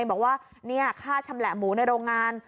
บอกว่าค่าชำแหละหมูในโรงงาน